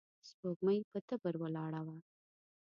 سپوږمۍ پر تبر ولاړه وه.